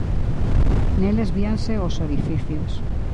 Neles víanse os orificios.